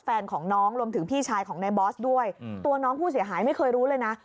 แฟนของน้องรวมถึงพี่ชายของนายบอสด้วยตัวน้องผู้เสียหายไม่เคยรู้เลยนะ